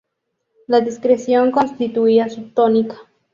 La discreción constituía su tónica.